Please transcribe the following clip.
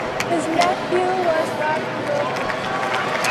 His nephew was Roger Wilkins.